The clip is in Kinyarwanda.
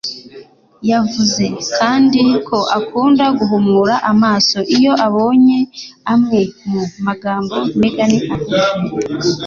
Yavuze kandi ko akunda "guhumura amaso" iyo abonye amwe mu magambo Megan avuga.